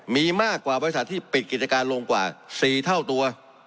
มีมากกว่าบริษัทที่ปิดกิจการลงกว่า๔เท่าตัว